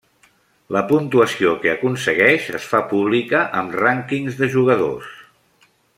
La puntuació que aconsegueix es fa pública amb rànquings de jugadors.